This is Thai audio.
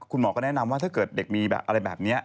คุณหมอก็แนะนำว่าถ้าเกิดเด็กมีแบบอะไรแบบนี้